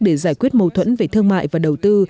để giải quyết mâu thuẫn về thương mại và đầu tư